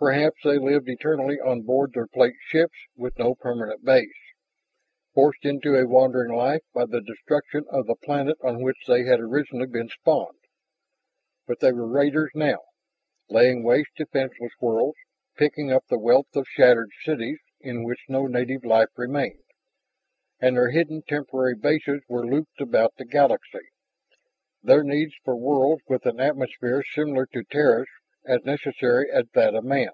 Perhaps they lived eternally on board their plate ships with no permanent base, forced into a wandering life by the destruction of the planet on which they had originally been spawned. But they were raiders now, laying waste defenseless worlds, picking up the wealth of shattered cities in which no native life remained. And their hidden temporary bases were looped about the galaxy, their need for worlds with an atmosphere similar to Terra's as necessary as that of man.